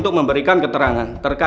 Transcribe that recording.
jangan akan akan akan akan akan akan akan